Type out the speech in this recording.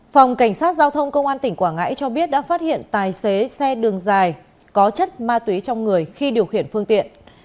phòng cảnh sát giao thông công an tỉnh quảng ngãi cho biết đã phát hiện tài xế xe đường dài có chất ma túy trong người khi điều khiển phương tiện